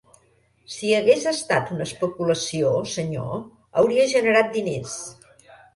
Si hagués estat una especulació, senyor, hauria generat diners.